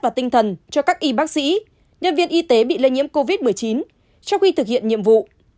và tinh thần cho các y bác sĩ nhân viên y tế bị lây nhiễm covid một mươi chín trong khi thực hiện nhiệm vụ